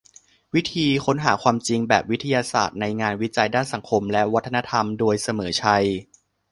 วิธีค้นหาความจริงแบบวิทยาศาสตร์ในงานวิจัยด้านสังคมและวัฒนธรรม โดย เสมอชัย